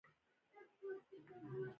ایا تاسو پیاوړي یاست؟